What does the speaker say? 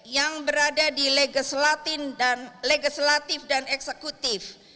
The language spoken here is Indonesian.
yang berada di legislatif dan eksekutif